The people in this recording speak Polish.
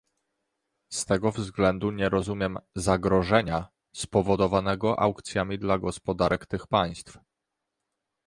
Z tego względu nie rozumiem "zagrożenia", spowodowanego aukcjami dla gospodarek tych państw